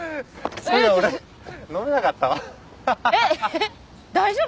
えっ大丈夫？